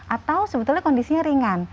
atau sebetulnya kondisinya ringan